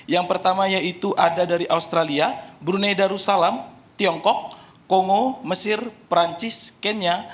yang pertama yaitu ada dari australia brunei darussalam tiongkok kongo mesir perancis kenya